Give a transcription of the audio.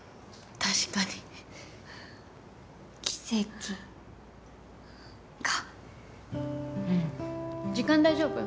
確かに奇跡かうん時間大丈夫？